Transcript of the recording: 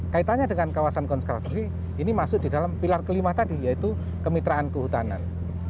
kaitannya dengan kawasan konservasi ini masuk di dalam pilar kelima tadi yaitu kemitraan kehutanan